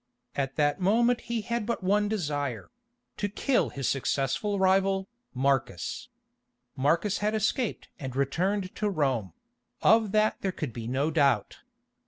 At that moment he had but one desire—to kill his successful rival, Marcus. Marcus had escaped and returned to Rome; of that there could be no doubt.